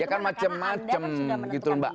ya kan macem macem gitu mbak